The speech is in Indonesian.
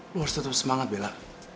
lo harus tetap semangat bella